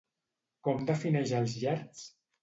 Com defineix els gerds?